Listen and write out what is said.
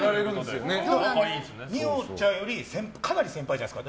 二葉ちゃんよりかなり先輩じゃないですか。